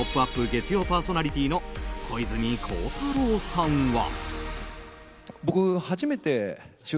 月曜パーソナリティーの小泉孝太郎さんは。